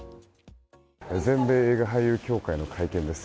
全米映画俳優組合の会見です。